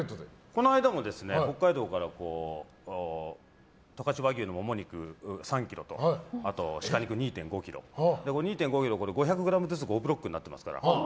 この間も北海道から牛のモモ肉３ｋｇと鹿肉２．５ｋｇ２．５ｋｇ、５００ｇずつ５ブロックになってますから。